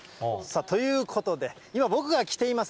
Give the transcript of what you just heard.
ということで、今、僕が着ています